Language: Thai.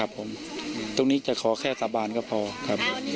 ตรงนี้จะขอแค่สาบานก็พอครับ